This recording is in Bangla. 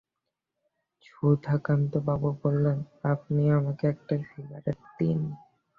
সুধাকান্তবাবু বললেন, আপনি আমাকে একটা সিগারেট দিন।